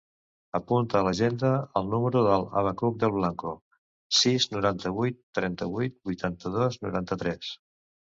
Apunta a l'agenda el número del Abacuc Del Blanco: sis, noranta-vuit, trenta-vuit, vuitanta-dos, noranta-tres.